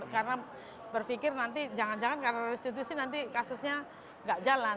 karena berpikir nanti jangan jangan karena restitusi nanti kasusnya nggak jalan